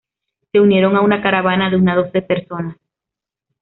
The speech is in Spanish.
Se unieron a una caravana de unas doce personas.